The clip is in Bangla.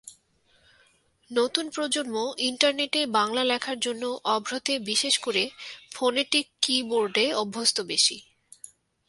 নতুন প্রজন্ম ইন্টারনেটে বাংলা লেখার জন্য অভ্রতে বিশেষ করে ফোনেটিক কি-বোর্ডে অভ্যস্ত বেশি।